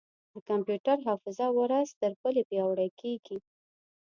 د کمپیوټر حافظه ورځ تر بلې پیاوړې کېږي.